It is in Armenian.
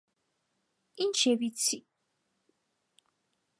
- Ինչ և իցի…